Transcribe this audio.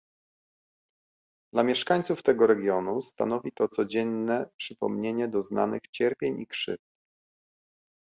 Dla mieszkańców tego regionu stanowi to codzienne przypomnienie doznanych cierpień i krzywd